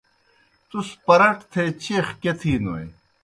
تُس پَرَٹ تھے چیخ کیْہ تِھینوْ۔